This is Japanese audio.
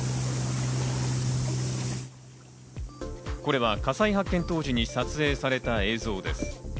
これは火災発見当時に撮影された映像です。